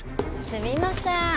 すみませーん。